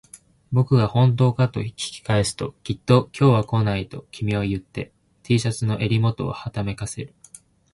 僕が本当かと聞き返すと、きっと今日は来ないと君は言って、Ｔ シャツの襟元をはためかせる